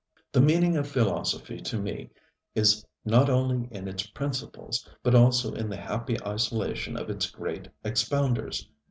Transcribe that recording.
The meaning of philosophy to me is not only in its principles, but also in the happy isolation of its great expounders.